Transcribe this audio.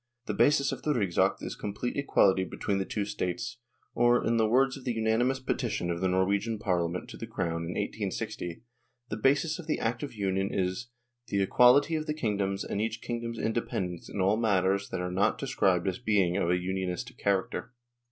The basis of the Rigsakt is complete equality between the two states, or, in the words of the unanimous petition of the Norwegian Parliament to the Crown in 1860, the basis of the Act of Union is "the equality of the kingdoms, and each kingdom's independence in all matters that are not described as being of a unionistic character."